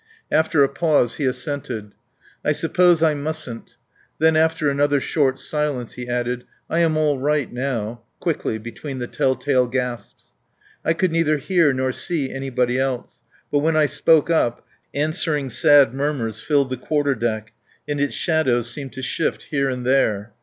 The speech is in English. After a pause he assented: "I suppose I mustn't." Then after another short silence he added: "I am all right now," quickly, between the tell tale gasps. I could neither hear nor see anybody else; but when I spoke up, answering sad murmurs filled the quarter deck, and its shadows seemed to shift here and there.